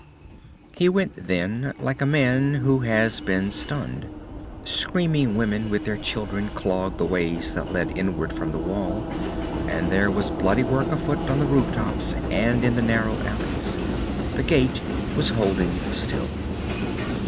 He went then, like a man who has been stunned. Screaming women with their children clogged the ways that led inward from the Wall, and there was bloody work afoot on the rooftops and in the narrow alleys. The gate was holding, still.